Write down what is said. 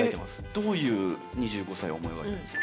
どういう２５歳を思い描いてるんですか？